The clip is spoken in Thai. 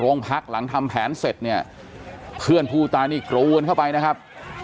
พักหลังทำแผนเสร็จเนี่ยเพื่อนผู้ตายนี่กรูกันเข้าไปนะครับ